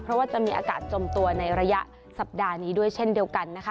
เพราะว่าจะมีอากาศจมตัวในระยะสัปดาห์นี้ด้วยเช่นเดียวกันนะคะ